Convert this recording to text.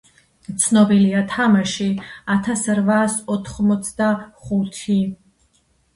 ცნობილია: თამაში ათას რვაას ოთხმოცდახუთი